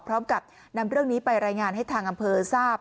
พร้อมกับนำเรื่องนี้ไปรายงานให้ทางอำเภอทราบ